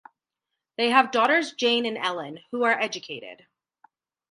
They have daughters Jane and Ellen, who are educated.